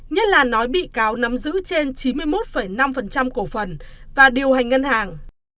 nhất là nói bị cáo nắm giữ trên chín mươi một năm cổ phần và điều hành ngân hàng